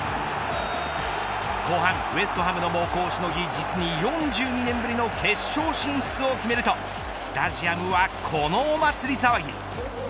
後半ウエストハムの猛攻をしのぎ実に４２年ぶりの決勝進出を決めるとスタジアムはこのお祭り騒ぎ。